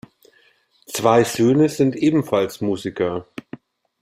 Zwei Söhne sind ebenfalls Musiker.